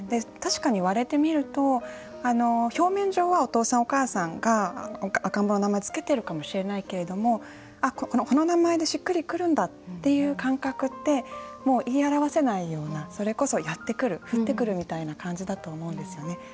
確かに言われてみると表面上はお父さんお母さんが赤ん坊の名前を付けてるかもしれないけれどもこの名前でしっくりくるんだっていう感覚ってもう言い表せないようなそれこそやってくる降ってくるみたいな感じだと思うんですよね。